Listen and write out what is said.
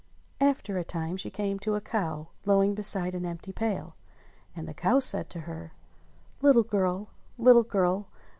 After a time she came to a cow lowing beside an empty pail, and the cow said to her : "Little girl! Little girl!